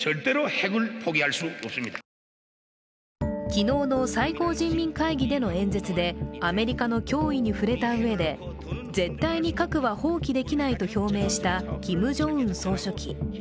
昨日の最高人民会議での演説で、アメリカの脅威に触れたうえで絶対に核は放棄できないと表明したキム・ジョンウン総書記。